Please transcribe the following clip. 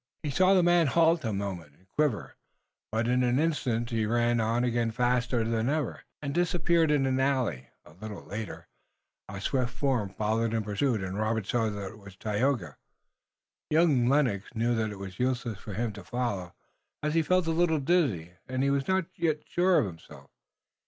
He saw the man halt a moment, and quiver, but in an instant he ran on again faster than ever, and disappeared in an alley. A little later a swift form followed in pursuit and Robert saw that it was Tayoga. Young Lennox knew that it was useless for him to follow, as he felt a little dizzy and he was not yet sure of himself.